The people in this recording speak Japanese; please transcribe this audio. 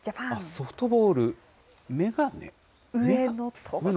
ソフトボール、眼鏡？